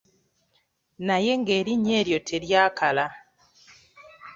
Naye nga erinnya eryo teryakala.